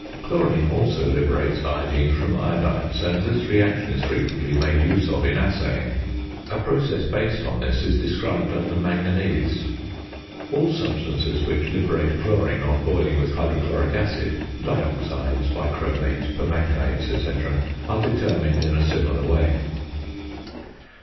Chlorine also liberates iodine from iodides; and this reaction is frequently made use of in assaying. A process based on this is described under Manganese. All substances which liberate chlorine on boiling with hydrochloric acid (dioxides, bichromates, permanganates, &c.) are determined in a similar way.